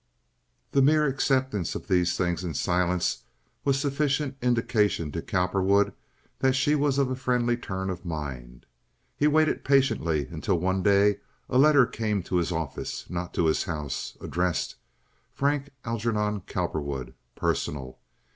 The mere acceptance of these things in silence was sufficient indication to Cowperwood that she was of a friendly turn of mind. He waited patiently until one day a letter came to his office—not his house—addressed, "Frank Algernon Cowperwood, Personal."